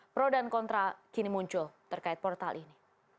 pro dan kontra kini muncul terkait portal ini